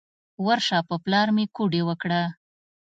ورشه په پلار مې کوډې وکړه.